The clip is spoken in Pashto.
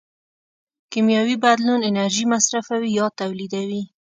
کیمیاوي بدلون انرژي مصرفوي یا تولیدوي.